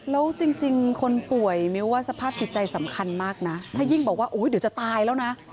แล้วจริงคนป่วยมิ้วว่าสภาพจิตใจสำคัญมากนะถ้ายิ่งบอกว่าเดี๋ยวจะตายแล้วนะ